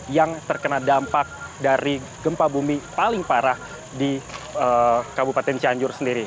yang terkena dampak dari gempa bumi paling parah di kabupaten cianjur sendiri